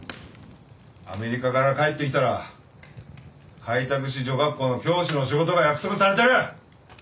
アメリカから帰ってきたら開拓使女学校の教師の仕事が約束されてる。